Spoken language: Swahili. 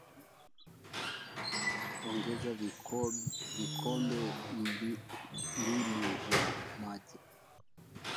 ongeza vikombe mbili vya maji